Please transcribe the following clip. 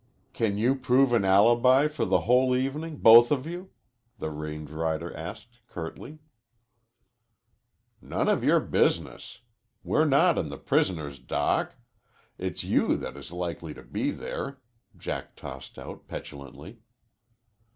"Can you prove an alibi for the whole evening both of you?" the range rider asked curtly. "None of your business. We're not in the prisoner's dock. It's you that is likely to be there," Jack tossed out petulantly.